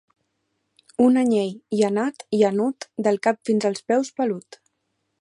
Un anyell llanat llanut del cap fins als peus pelut.